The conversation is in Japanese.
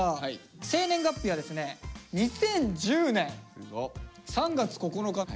生年月日はですね２０１０年３月９日。